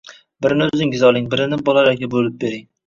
Birini o'zingaz oling, birini bolalarga bo'lib bering.